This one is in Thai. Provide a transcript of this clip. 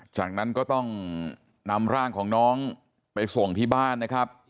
จากนั้นก็ต้องนำร่างของน้องไปส่งที่บ้านนะครับ